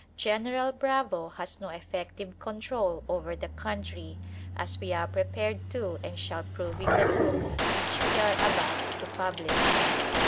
General Bravo has no effective control over the country, as we are prepared to and shall prove in the book which we are about to publish.